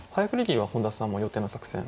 銀は本田さんも予定の作戦。